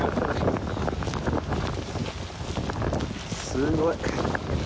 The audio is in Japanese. すごい。